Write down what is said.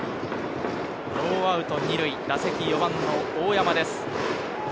ノーアウト２塁、打席４番の大山です。